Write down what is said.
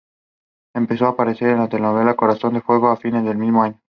Empezó a aparecer en la telenovela "Corazón de fuego" a fines del mismo año.